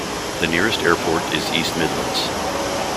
The nearest airport is East Midlands.